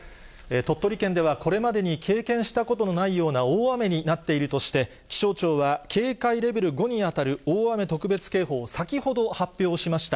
鳥取県ではこれまでに経験したことのないような大雨になっているとして、気象庁は警戒レベル５に当たる大雨特別警報を先ほど発表しました。